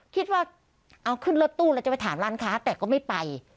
คิดว่าเอาขึ้นรถตู้แล้วจะไปถามร้านค้าแต่ก็ไม่ไป